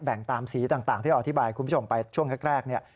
แต่งตามสีต่างที่เราอธิบายหรือช่วงแรก